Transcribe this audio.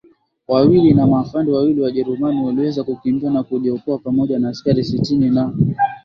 wawili na maafande wawili Wajerumani waliweza kukimbia na kujiokoa pamoja na askari sitini na